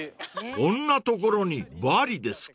［こんな所にバリですか？］